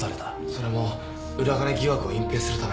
それも裏金疑惑を隠ぺいするため？